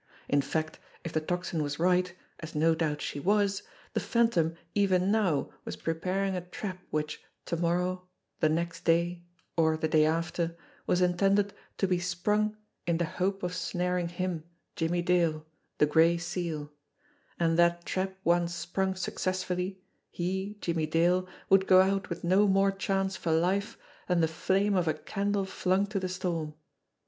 In fact, if the Tocsin was right, as no doubt she was, the Phantom even now was preparing a trap which, to morrow, the next day, or the day after, was intended to be sprung in the hope of snaring him, Jimmie Dale, the Gray Seal ; and that trap once sprung successfully he, Jimmie Dale, would go out with no more chance for life than the flame of a candle flung to the storm!